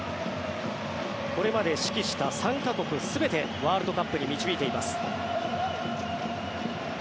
これまで指揮した３か国全てワールドカップに導いています。